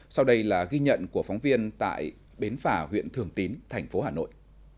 sau đây là ghi nhận của phóng viên tại bến phà huyện thường tín thành phố hà nội